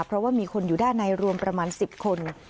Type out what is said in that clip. เพราะว่ามีคนอยู่ด้านในรวมประมาณ๑๐คน